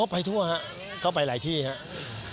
ไปทั่วครับก็ไปหลายที่ครับ